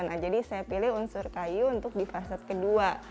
nah jadi saya pilih unsur kayu untuk di faset kedua